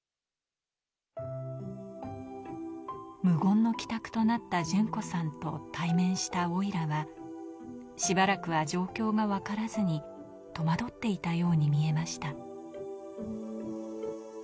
無言の帰宅となった順子さんと対面したオイラはしばらくは状況がわからずに戸惑っていたように見えました。